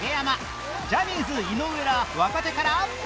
ジャニーズ井上ら若手から